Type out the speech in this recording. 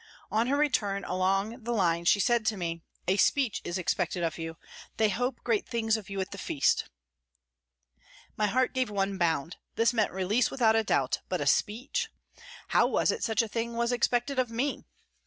On her return along the line she said to me : "A speech is expected of you ; they hope great things of you at the feast." My heart gave one bound. This meant release without a doubt, but a speech ! How was it such a thing was expected of me